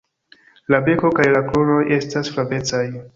La beko kaj la kruroj esta flavecaj.